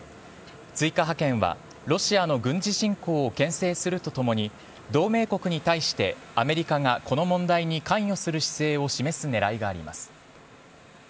追加派遣はロシアの軍事侵攻をけん制するとともに同盟国に対して、アメリカがこの問題に関与する姿勢を示す狙いがあります。